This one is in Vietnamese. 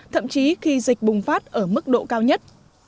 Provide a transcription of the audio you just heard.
thậm chí khi dịch bùng phát ở mức độ cao nhất